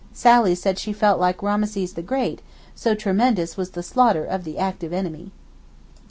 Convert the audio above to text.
Sally said she felt like Rameses the Great, so tremendous was the slaughter of the active enemy.